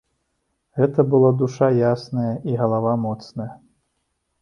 Гэта была душа ясная і галава моцная.